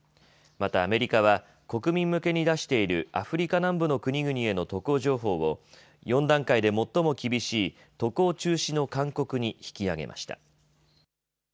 またアメリカは国民向けに出しているアフリカ南部の国々への渡航情報を４段階で最も厳しい渡航中止の勧告に引き上げました。